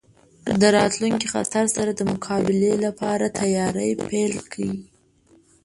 د راتلونکي خطر سره د مقابلې لپاره تیاری پیل کړ.